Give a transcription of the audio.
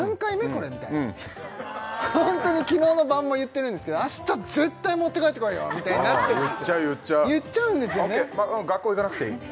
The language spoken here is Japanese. これ」ってホントに昨日の晩も言ってるんですけど「明日絶対持って帰ってこいよ」みたいな言っちゃう言っちゃう「ＯＫ学校行かなくていい」